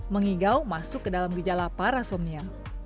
mengigau masuk ke dalam gejala parasomnia